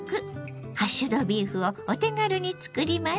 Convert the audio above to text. ハッシュドビーフをお手軽に作ります。